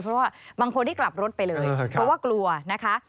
เพราะว่าบางคนที่กลับรถไปเลยเพราะว่ากลัวนะคะ